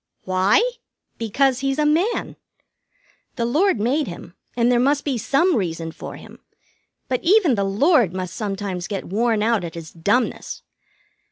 "Why? Because he's a Man. The Lord made him, and there must be some reason for him; but even the Lord must sometimes get worn out at his dumbness.